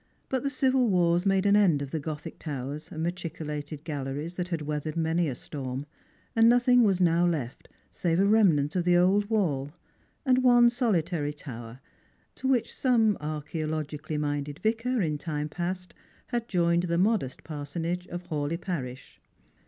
But the civil wars made an end of the gothic towers and machicolated galleries that had weathered maiiy a storm, and nothing was now left save a remnant of the old wall, and one solitary tower, to which some archeologically minded vicar in time past had joined the modest parsonage of Hawleigh parish.